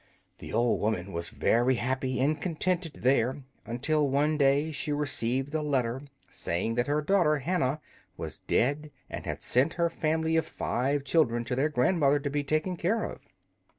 The old woman was very happy and contented there until one day she received a letter saying that her daughter Hannah was dead and had sent her family of five children to their grandmother to be taken care of.